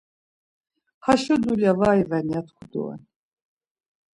Haşo dulya var iven, ya tku doren.